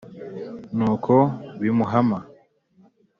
ni uko bimuhama,